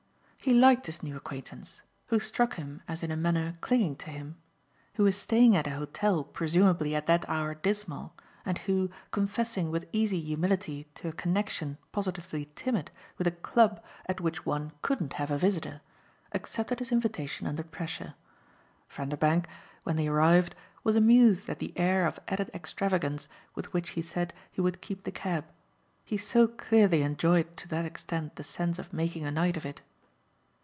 He liked his new acquaintance, who struck him as in a manner clinging to him, who was staying at an hotel presumably at that hour dismal, and who, confessing with easy humility to a connexion positively timid with a club at which one couldn't have a visitor, accepted his invitation under pressure. Vanderbank, when they arrived, was amused at the air of added extravagance with which he said he would keep the cab: he so clearly enjoyed to that extent the sense of making a night of it.